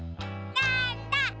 なんだ？